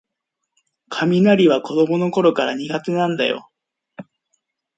雷は子どものころから苦手なんだよ